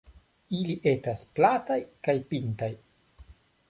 Ili estas plataj kaj pintaj.